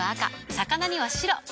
魚には白。